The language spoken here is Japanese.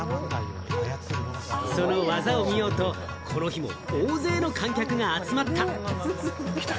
その技を見ようと、この日も大勢の観客が集まった。